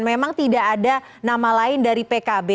memang tidak ada nama lain dari pkb